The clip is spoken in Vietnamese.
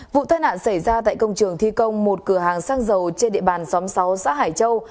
vụ tai nạn xảy ra tại công trường thi công một cửa hàng xăng dầu trên địa bàn xóm sáu xã hải châu